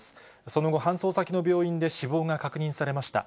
その後、搬送先の病院で死亡が確認されました。